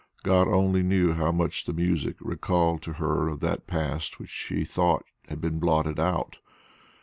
God only knew how much the music recalled to her of that past which she thought had been blotted out.